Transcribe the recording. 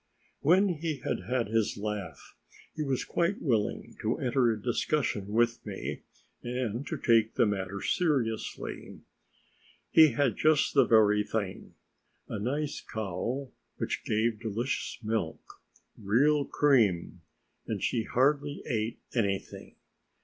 When he had had his laugh, he was quite willing to enter a discussion with me, and to take the matter seriously. He had just the very thing, a nice cow which gave delicious milk real cream! and she hardly ate anything.